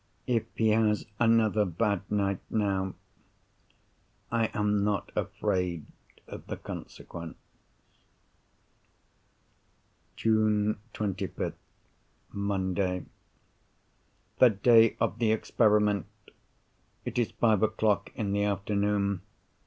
If he has another bad night, now—I am not afraid of the consequences. June 25th, Monday.—The day of the experiment! It is five o'clock in the afternoon.